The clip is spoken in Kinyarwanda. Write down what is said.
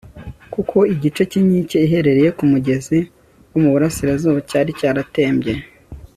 kuko igice cy'inkike iherereye ku mugezi wo mu burasirazuba cyari cyaratembye